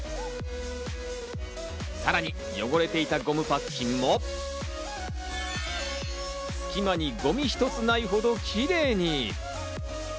さらに汚れていたゴムパッキンも隙間にゴミ一つないほどキレイに。